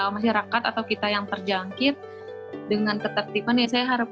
masyarakat atau kita yang terjangkit dengan ketertiban ya saya harap